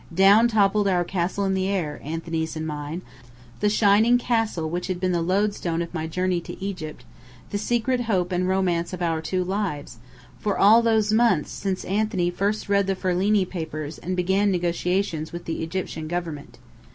Down toppled our castle in the air, Anthony's and mine the shining castle which had been the lodestone of my journey to Egypt, the secret hope and romance of our two lives, for all those months since Anthony first read the Ferlini papers and began negotiations with the Egyptian Government.